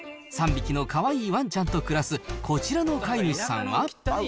３匹のかわいいワンちゃんと暮らすこちらの飼い主さんは。